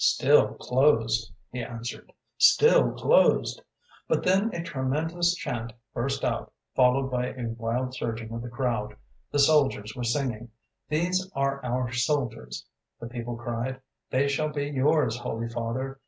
"Still closed," he answered; "still closed. But then a tremendous chant burst out, followed by a wild surging of the crowd: the soldiers were singing. 'These are our soldiers,' the people cried; 'they shall be yours, Holy Father.